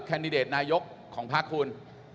แนตนายกของพักคุณ